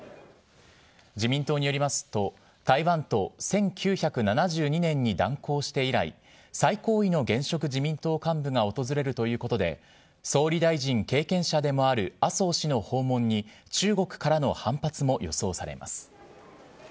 自民党によりますと、台湾と１９７２年に断交して以来、最高位の現職自民党幹部が訪れるということで、総理大臣経験者でもある麻生氏の訪問に、中国からの反発も予想されます。